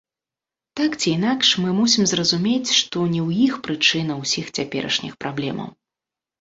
Так ці інакш, мы мусім зразумець, што не ў іх прычына ўсіх цяперашніх праблемаў.